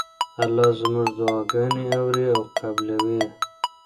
الله زموږ دعاګانې اوري او قبلوي یې.